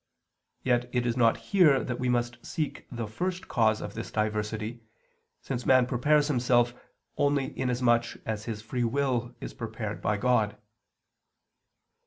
Yet it is not here that we must seek the first cause of this diversity, since man prepares himself, only inasmuch as his free will is prepared by God.